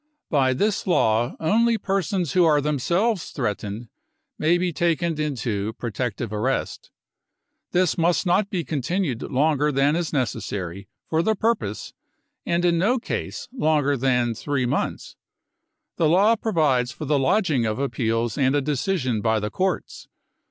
By this law only persons who are themselves threatened may be taken into protective arrest. This must not be continued longer than is necessary for the purpose, and in no case longer than three months. The law provides for the lodging of appeals and a decision by the courts.